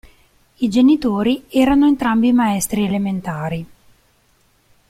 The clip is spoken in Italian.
I genitori erano entrambi maestri elementari.